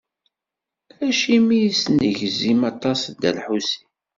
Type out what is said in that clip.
Acimi yesnezgim aṭas Dda Lḥusin?